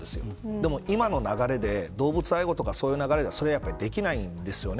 でも今の流れで動物愛護とかそういう流れでそれはやっぱりできないんですよね。